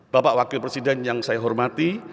bapak wakil presiden yang saya hormati